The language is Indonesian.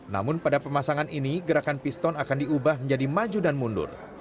namun pada pemasangan ini gerakan piston akan diubah menjadi maju dan mundur